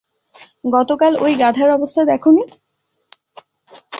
গতকাল ওই গাধার অবস্থা দেখোনি?